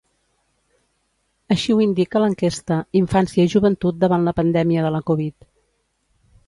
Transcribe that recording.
Així ho indica l'enquesta "Infància i joventut davant la pandèmia de la Covid".